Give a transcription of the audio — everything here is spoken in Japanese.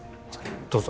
どうぞ。